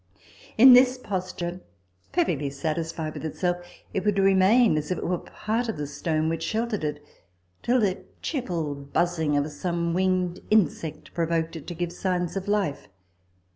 In this posture, perfectly satisfied with itself, it would remain as if it were a part of the stone which sheltered it, till the cheerful buzzing of some winged insect provoked it to give signs of life.